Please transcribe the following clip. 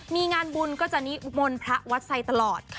มีงานบุญก็จะนิมนต์พระวัดไซดตลอด